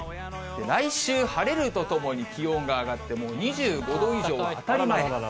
来週、晴れるとともに気温が上がって、もう２５度以上は当たり前。